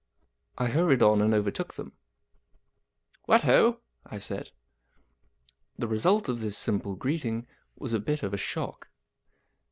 I hurried on and overtook them. " What ho !" I said. The result of this simple greeting was a bit of a shock.